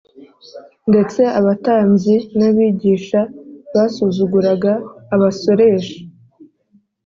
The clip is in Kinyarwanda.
ndetse abatambyi n’abigisha basuzuguraga abasoresha